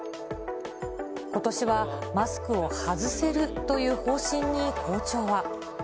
ことしはマスクを外せるという方針に校長は。